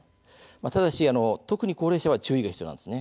ただし特に高齢者は注意が必要です。